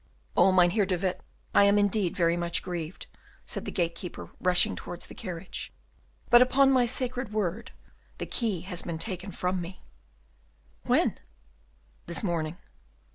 "Oh, Mynheer de Witt! I am indeed very much grieved," said the gatekeeper, rushing towards the carriage; "but, upon my sacred word, the key has been taken from me." "When?" "This morning."